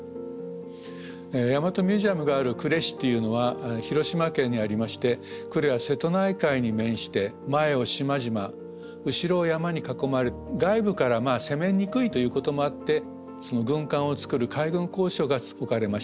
大和ミュージアムがある呉市というのは広島県にありまして呉は瀬戸内海に面して前を島々後ろを山に囲まれ外部から攻めにくいということもあって軍艦を造る海軍工廠が置かれました。